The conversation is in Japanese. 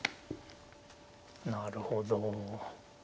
なるほど。